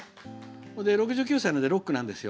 それで６９歳なのでロックなんですよ。